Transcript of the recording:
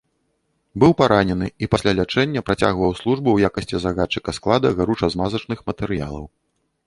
Быў паранены і пасля лячэння працягваў службу ў якасці загадчыка склада гаруча-змазачных матэрыялаў.